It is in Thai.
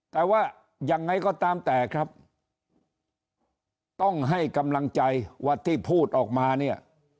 แต่ว่ายังไงก็ตามแต่ครับต้องให้กำลังใจว่าที่พูดออกมาเนี่ย